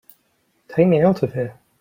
Take me out of here!